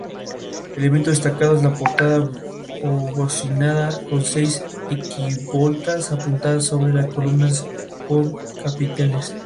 Elemento destacado es la portada, abocinada con seis arquivoltas apuntadas, sobre columnas con capiteles.